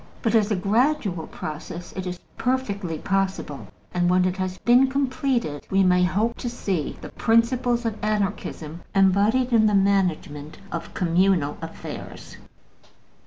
But as a gradual process it is perfectly possible; and when it has been completed we may hope to see the principles of Anarchism embodied in the management of communal affairs.